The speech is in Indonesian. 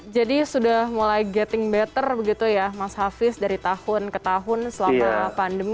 jadi sudah mulai getting better begitu ya mas hafiz dari tahun ke tahun selama pandemi